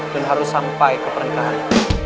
dan harus sampai ke pernikahan